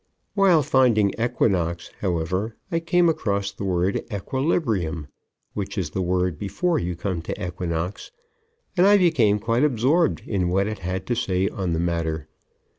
While finding "equinox," however, I came across the word "equilibrium," which is the word before you come to "equinox," and I became quite absorbed in what it had to say on the matter.